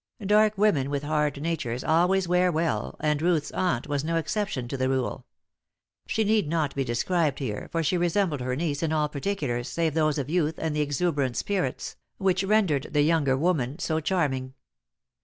Dark women with hard natures always wear well, and Ruth's aunt was no exception to the rule. She need not be described here, for she resembled her niece in all particulars save those of youth and the exuberant spirits, which rendered the younger woman so charming.